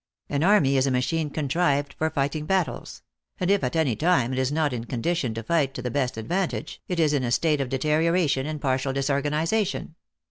An army is a machine contrived for lighting battles ; and if at any time it is not in a con dition to fight to the best advantage, it is in a state of deterioration and partial disorganization.